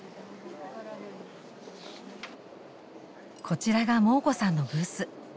こちらがモー子さんのブース。